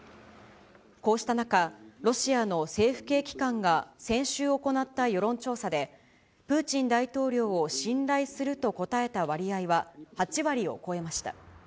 こうした中、ロシアの政府系機関が先週行った世論調査で、プーチン大統領を信頼すると答えた割合は８割を超えました。